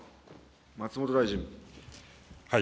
松本大臣。